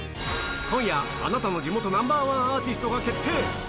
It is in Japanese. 今夜、あなたの地元ナンバーワンアーティストが決定。